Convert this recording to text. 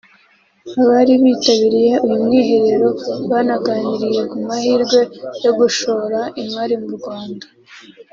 Abari bitabiriye uyu mwiherero banaganiriye ku mahirwe yo gushora imari mu Rwanda